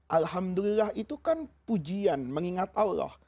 alhamdulillah itu kan pujian mengingat allah